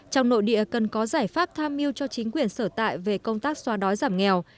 trong nội địa cần có giải pháp tham mưu cho chính quyền sở tại về công tác xóa đói giảm nghèo